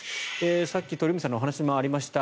さっき鳥海さんのお話にもありました